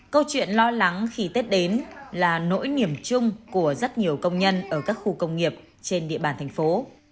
câu chuyện lo lắng khi tết đến là nỗi niềm chung của rất nhiều công nhân ở các khu công nghiệp trên địa bàn thành phố